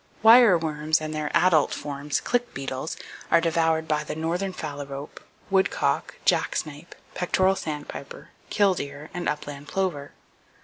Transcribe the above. Wireworms and their adult forms, click beetles, are devoured by the northern phalarope, woodcock, jacksnipe, pectoral sandpiper, killdeer, and upland plover.